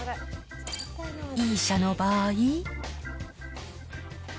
Ｅ社の場合。